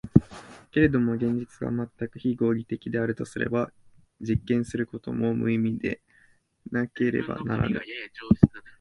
けれども現実が全く非合理的であるとすれば、実験することも無意味でなければならぬ。